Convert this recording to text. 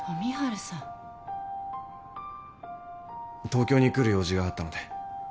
東京に来る用事があったので。